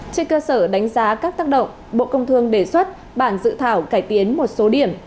trên cơ sở đánh giá các tác động bộ công thương đề xuất bản dự thảo cải tiến một số điểm